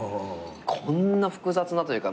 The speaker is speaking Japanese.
こんな複雑なというか。